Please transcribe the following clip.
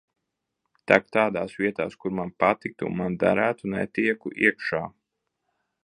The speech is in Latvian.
Tak tādās vietās, kur man patiktu un man derētu netieku iekšā.